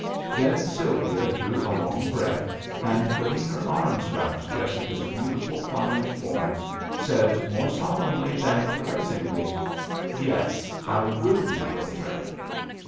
Then Sylvia drew a long breath, and, putting her arms round Jessica's beautiful, pliant form, said more solemnly than caressingly, " Yes, I will be your friend."